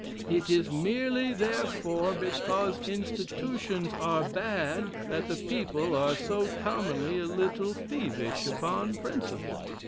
It is merely, therefore, because institutions are bad, that the people are so commonly a little thievish upon principle."